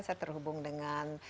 saya terhubung dengan